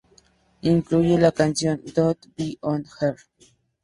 Incluye la canción "Don't Be On Her".